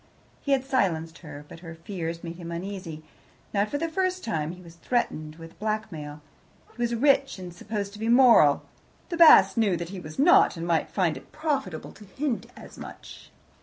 He had silenced her, but her fears made him uneasy. Not for the first time, he was threatened with blackmail. He was rich and supposed to be moral; the Basts knew that he was not, and might find it profitable to hint as much.